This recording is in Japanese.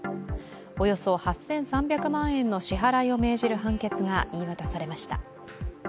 およそ８３００万円の支払いを命じる判決が言い渡されました。